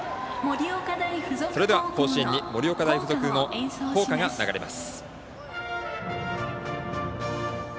それでは、甲子園に盛岡大付属の校歌が流れます。